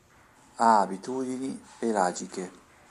Ha abitudini pelagiche.